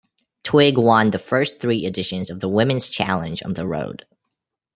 Twigg won the first three editions of the Women's Challenge on the road.